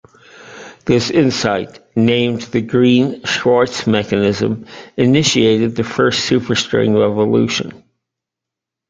This insight, named the Green-Schwarz mechanism, initiated the First Superstring Revolution.